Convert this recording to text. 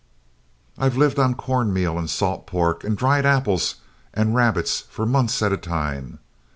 I've lived on corn meal and salt pork and dried apples and rabbits for months at a time.